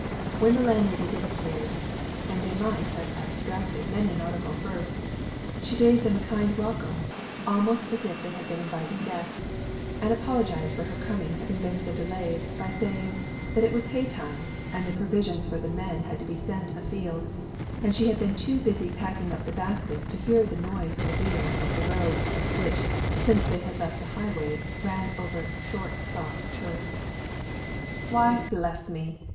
When the landlady did appear and they might have abstracted many an article first she gave them a kind welcome, almost as if they had been invited guests, and apologised for her coming having been so delayed, by saying, that it was hay time, and the provisions for the men had to be sent a field, and she had been too busy packing up the baskets to hear the noise of wheels over the road, which, since they left the highway, ran over soft short turf. "Why, bless me!"